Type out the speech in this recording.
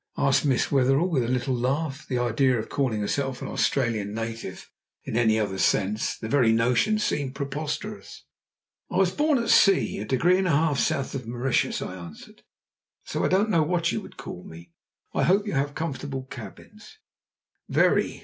asked Miss Wetherell with a little laugh. The idea of her calling herself an Australian native in any other sense! The very notion seemed preposterous. "I was born at sea, a degree and a half south of Mauritius," I answered; "so I don't know what you would call me. I hope you have comfortable cabins?" "Very.